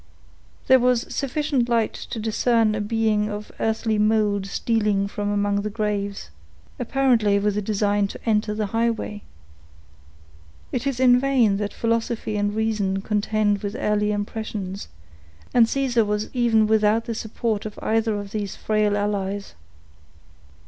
There was sufficient light to discern a being of earthly mold stealing from among the graves, apparently with a design to enter the highway. It is in vain that philosophy and reason contend with early impressions, and poor Caesar was even without the support of either of these frail allies.